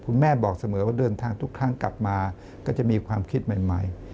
คุณแม่บอกเสมอว่าเดินทางทุกครั้งกลับมาก็จะมีความคิดใหม่